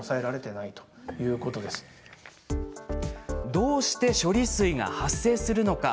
どうして処理水が発生するのか。